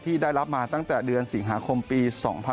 ที่ได้รับมาตั้งแต่เดือนสิงหาคมปี๒๕๖๒